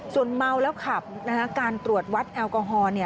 ส่วนเมาแล้วขับการตรวจวัดแอลกอฮอล์